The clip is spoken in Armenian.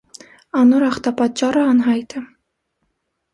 Անոր ախտապատճառը անյայտ է։